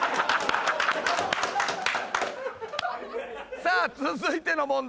さあ続いての問題